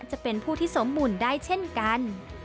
จะเป็นผู้ที่สมบุญได้เช่นกัน